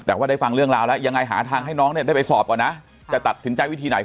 แต่ว่าได้ฟังเรื่องราวแล้วยังไงหาทางให้น้องเนี่ยได้ไปสอบก่อนนะจะตัดสินใจวิธีไหน